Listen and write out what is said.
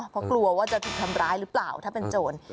เพราะกลัวว่าจะถูกทำร้ายหรือเปล่าถ้าเป็นโจร